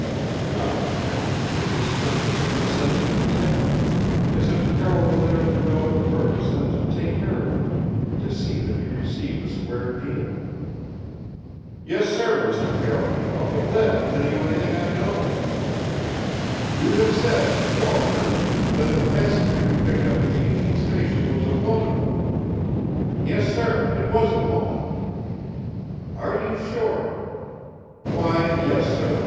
Not only that, but he was conscious of a sense of protection, as if Carroll were there for no other purpose than to take care of him, to see that he received a square deal. "Yes, sir, Mr. Carroll, I'll be glad to tell you anything I know." "You have said, Walters, that the passenger you picked up at the Union Station was a woman." "Yes, sir, it was a woman." "Are you sure?" "Why, yes, sir.